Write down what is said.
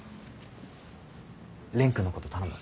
蓮くんのこと頼む。